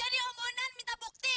jadi om bonan minta bukti